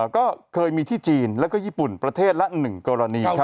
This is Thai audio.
ก็เคยมีที่จีนแล้วก็ญี่ปุ่นประเทศละ๑กรณี